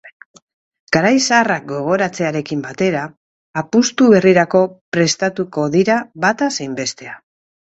Garai zaharrak gogoratzearekin batera, apustu berrirako prestatuko dira bata zein bestea.